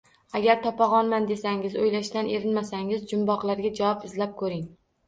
Agar topagʻonman desangiz, oʻylashdan erinmasangiz, jumboqlarga javob izlab koʻring